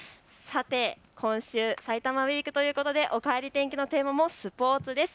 今週、さいたまウイークということでおかえり天気のテーマもスポーツです。